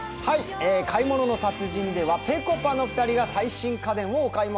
「買い物の達人」ではぺこぱの２人が最新家電をお買い物。